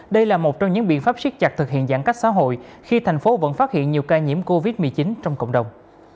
đây là một trong những biện pháp siết chặt thực hiện giãn cách xã hội khi thành phố vẫn phát hiện nhiều ca nhiễm covid một mươi chín trong cộng đồng